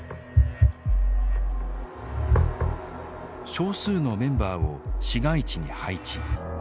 少数のメンバーを市街地に配置。